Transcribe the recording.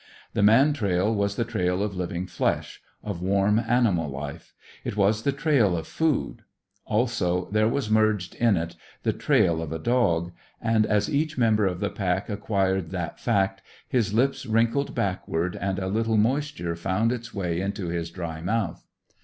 The man trail was the trail of living flesh, of warm, animal life; it was the trail of food. Also, there was merged in it the trail of a dog; and as each member of the pack acquired that fact, his lips wrinkled backward and a little moisture found its way into his dry mouth.